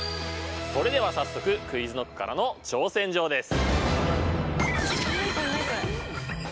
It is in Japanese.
それでは早速ＱｕｉｚＫｎｏｃｋからの挑戦状です。